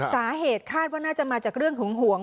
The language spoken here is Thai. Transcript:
สาเหตุคาดว่าน่าจะมาจากเรื่องหึงหวง